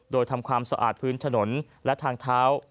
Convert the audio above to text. โดยทำความสะอาดพื้นถนนและทางเท้า